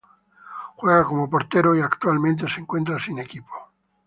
Juega como portero y actualmente se encuentra sin equipo.